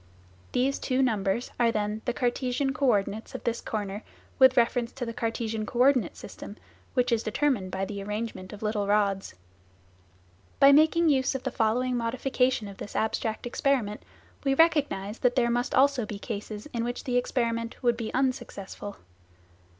These two numbers are then the " Cartesian co ordinates " of this corner with reference to the " Cartesian co ordinate system" which is determined by the arrangement of little rods. By making use of the following modification of this abstract experiment, we recognise that there must also be cases in which the experiment would be unsuccessful.